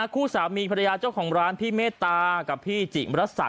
คู่สามีภรรยาเจ้าของร้านพี่เมตตากับพี่จิมรสัก